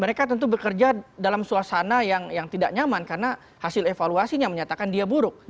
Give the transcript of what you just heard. mereka tentu bekerja dalam suasana yang tidak nyaman karena hasil evaluasinya menyatakan dia buruk